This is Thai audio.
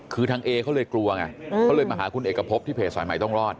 คือทางเอเขาเลยกลัวไงเขาเลยมาหาคุณเอกพบที่เพจสายใหม่ต้องรอด